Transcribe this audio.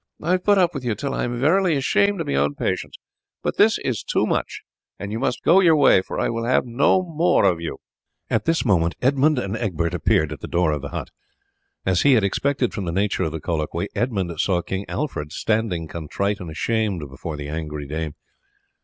I have put up with you till I am verily ashamed of my own patience; but this is too much, and you must go your way, for I will have no more of you." At this moment Edmund and Egbert appeared at the door of the hut. As he had expected from the nature of the colloquy Edmund saw King Alfred standing contrite and ashamed before the angry dame.